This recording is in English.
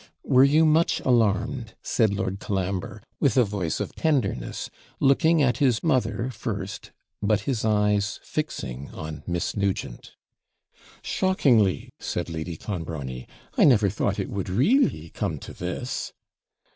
'Were you much alarmed?' said Lord Colambre, with a voice of tenderness, looking at his mother first, but his eyes fixing on Miss Nugent. 'Shockingly!' said Lady Clonbrony; 'I never thought it would REELLY come to this.'